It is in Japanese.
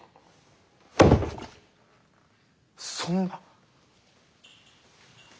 そんな。